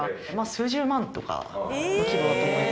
数十万とかの規模だと思います。